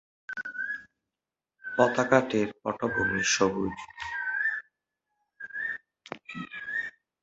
পতাকাটির পটভূমি সবুজ।